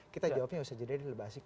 kita jawabnya ya bisa jadi lebih asik